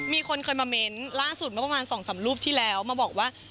มีคนเคยมาเม้นต์ล่าสุดเมื่อประมาณ๒๓รูปที่แล้วมาบอกว่า